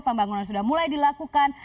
pembangunan sudah mulai dilakukan